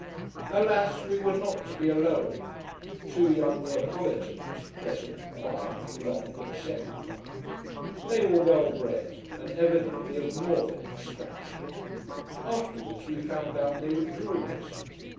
Alas, we were not to be alone: two young Neapolitans, pleasant, quiet, blond, or semi blond. They were well bred, and evidently of northern extraction. Afterwards we found out they were jewellers.